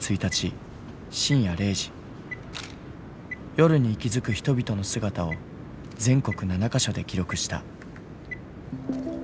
夜に息づく人々の姿を全国７か所で記録した。